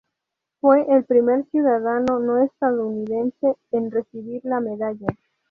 Fue el primer ciudadano no estadounidense en recibir la medalla.